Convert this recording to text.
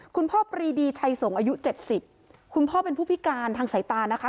ปรีดีชัยสงฆ์อายุเจ็ดสิบคุณพ่อเป็นผู้พิการทางสายตานะคะ